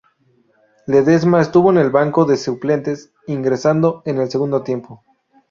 Ledesma estuvo en el banco de suplentes, ingresando en el segundo tiempo.